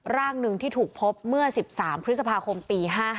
ร่างหนึ่งที่ถูกพบเมื่อ๑๓พฤษภาคมปี๕๕